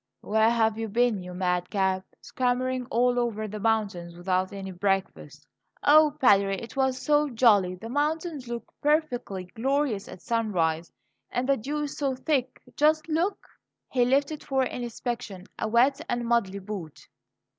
"Where have you been, you madcap? Scampering all over the mountains without any breakfast?" "Oh, Padre, it was so jolly! The mountains look perfectly glorious at sunrise; and the dew is so thick! Just look!" He lifted for inspection a wet and muddy boot.